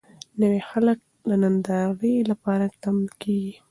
نوي خلک د نندارې لپاره تم کېږي.